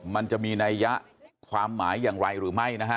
มันจะมีนัยยะความหมายอย่างไรหรือไม่นะฮะ